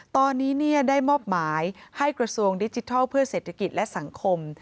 ตอนนี้ได้มอบหมายให้กระทรวงดิจิทัลเพื่อเศรษฐกิจและสังคม